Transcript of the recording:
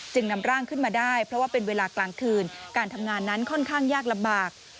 นำร่างขึ้นมาได้เพราะว่าเป็นเวลากลางคืนการทำงานนั้นค่อนข้างยากลำบาก